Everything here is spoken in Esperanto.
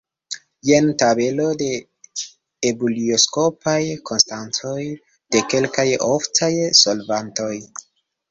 Jen tabelo de ebulioskopaj konstantoj de kelkaj oftaj solvantoj.